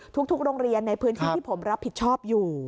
ทุกโรงเรียนในพื้นที่ที่ผมรับผิดชอบอยู่